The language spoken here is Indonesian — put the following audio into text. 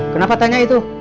kenapa tanya itu